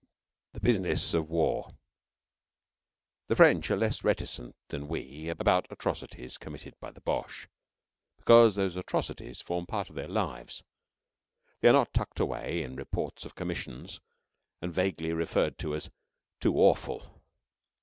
THE BUSINESS OF WAR The French are less reticent than we about atrocities committed by the Boche, because those atrocities form part of their lives. They are not tucked away in reports of Commissions, and vaguely referred to as "too awful."